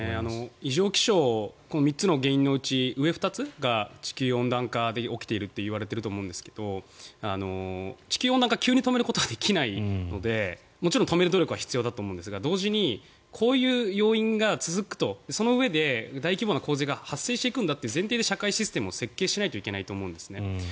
異常気象この３つの原因のうち上２つが地球温暖化で起きているといわれていると思うんですが地球温暖化を急に止めることはできないのでもちろん止める努力は必要だと思うんですが同時にこういう要因が続くとそのうえで大規模な洪水が発生するんだという前提で社会システムを設計しないといけないと思うんですね。